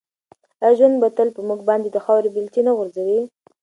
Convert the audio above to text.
آیا ژوند تل په موږ باندې د خاورو بیلچې نه غورځوي؟